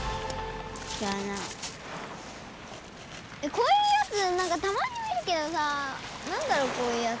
こういうやつなんかたまに見るけどさ何だろうこういうやつ。